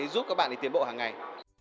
giúp các bạn tiến bộ hàng ngày